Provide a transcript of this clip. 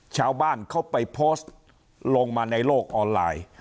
ชาวบ้านเขาไปโพสต์ลงมาในโลกออนไลน์